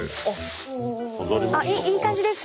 あっいい感じです。